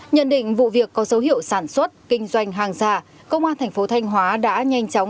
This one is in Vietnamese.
nhận định vụ việc có dấu hiệu sản xuất kinh doanh hàng giả công an thành phố thanh hóa đã nhanh chóng